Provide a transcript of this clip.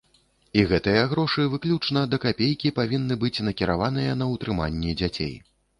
І гэтыя грошы выключна да капейкі павінны быць накіраваныя на ўтрыманне дзяцей.